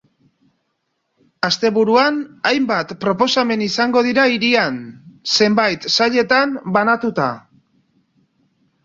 Asteburuan, hainbat proposamen izango dira hirian, zenbait sailetan banatuta.